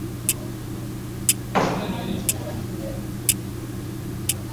kila jamii ina desturi muonekano uongozi na lugha tofauti